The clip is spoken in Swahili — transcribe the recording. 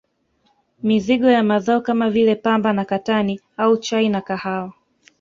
Mizigo ya Mazao kama vile Pamba na katani au chai na kahawa